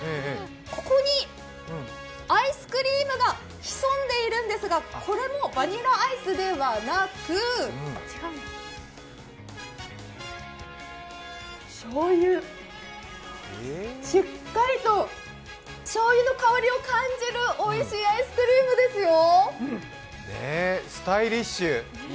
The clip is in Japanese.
ここにアイスクリームが潜んでいるんですがこれもバニラアイスではなく醤油しっかりと醤油の香りを感じるおいしいアイスクリームですよ。